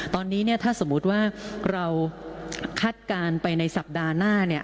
ตอนนี้ถ้าสมมุติว่าเราคาดการณ์ไปในสัปดาห์หน้าเนี่ย